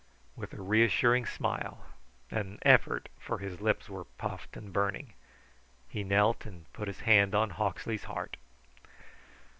With a reassuring smile an effort, for his lips were puffed and burning he knelt and put his hand on Hawksley's heart.